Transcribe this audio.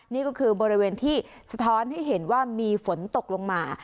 นี่ก็คือบริเวณที่สะท้อนให้เห็นว่ามีฝนตกลงมา